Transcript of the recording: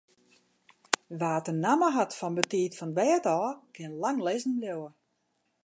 Wa't de namme hat fan betiid fan 't bêd ôf, kin lang lizzen bliuwe.